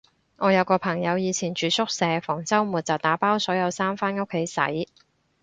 我有個朋友以前住宿舍，逢周末就打包所有衫返屋企洗